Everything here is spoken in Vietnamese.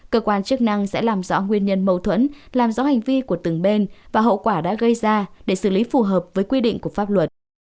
cơ quan chức năng sẽ làm rõ nguyên nhân mâu thuẫn làm rõ hành vi của từng bên và hậu quả đã gây ra để xử lý phù hợp với quy định của pháp luật